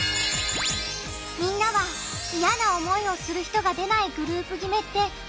みんなは嫌な思いをする人が出ないグループ決めってあると思う？